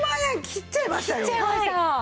きっちゃいました！